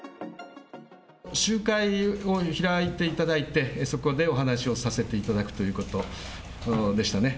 集会を開いていただいて、そこでお話をさせていただくということでしたね。